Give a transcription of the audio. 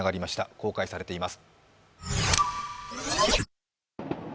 公開されています。